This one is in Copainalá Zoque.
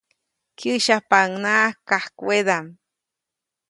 Kyäsyapaʼuŋnaʼak kajkwedaʼm.